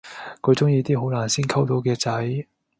佢鍾意啲好難先溝到嘅仔